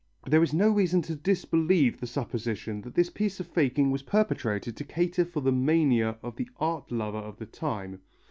] There is no reason to disbelieve the supposition that this piece of faking was perpetrated to cater for the mania of the art lover of the time.